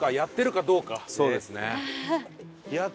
そうですね。